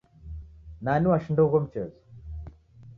Nani washinda ugho mchezo?